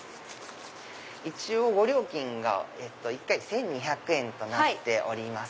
一応ご料金が１回１２００円となっております。